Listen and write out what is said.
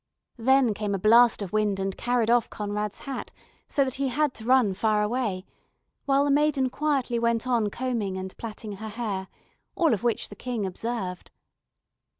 Then came a blast of wind and carried off Conrad's hat, so that he had to run far away, while the maiden quietly went on combing and plaiting her hair, all of which the King observed.